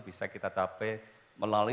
bisa kita capai melalui